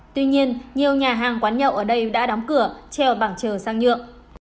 tuy nhiên nhiều nhà hàng quán nhậu ở đây đã đóng cửa treo bảng chờ sang nhượng